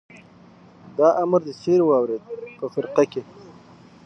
دا امر دې چېرې واورېد؟ په فرقه کې.